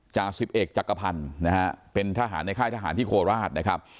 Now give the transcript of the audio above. จ่าสิบเอกจักรพันธ์นะฮะเป็นทหารในค่ายทหารที่โคราชนะครับ